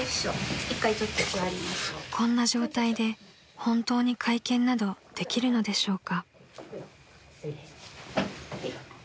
［こんな状態で本当に会見などできるのでしょうか？］